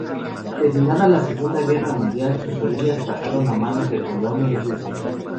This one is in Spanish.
Terminada la Segunda Guerra Mundial, sus orillas pasaron a manos de Polonia y Rusia.